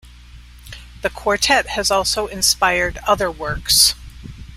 The quartet has also inspired other works.